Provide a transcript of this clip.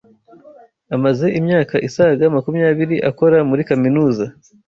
amaze imyaka isaga makumyabiri akora muri kaminuza